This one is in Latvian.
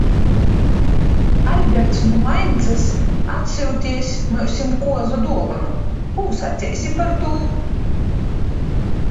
Alberts no Maincas atsūtījis mums kāzu dāvanu, ko tu teiktu par to?